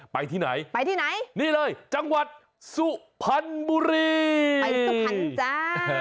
ไปที่ไหนนี่เลยจังหวัดสุพันบุรีไปสุพันจ้า